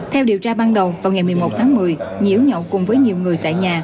theo điều tra ban đầu vào ngày một mươi một tháng một mươi nhiễu nhậu cùng với nhiều người tại nhà